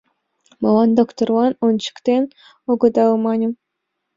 — Молан докторлан ончыктен огыдал? — маньым.